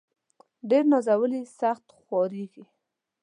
ډير نازولي ، سخت خوارېږي.